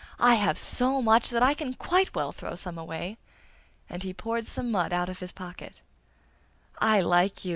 'I have so much that I can quite well throw some away!' and he poured some mud out of his pocket. 'I like you!